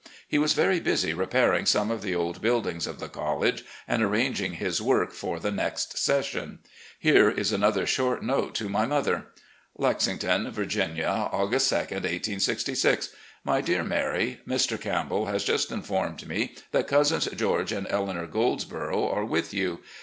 He was very busy repairing some of the old buildings of the college and arranging his work for the next session. Hare is another short note to my mother: "Lexington, Virginia, August 2, 1866. " My Dear Mary: Mr. Campbell has just informed me that Cousins George and Eleanor Goldsborough are with you.